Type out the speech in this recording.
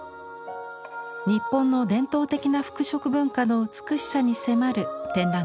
日本の伝統的な服飾文化の美しさに迫る展覧会です。